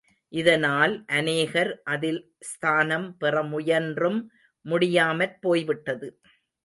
இதனால் அநேகர் அதில் ஸ்தானம் பெறமுயன்றும் முடியாமற் போய்விட்டது.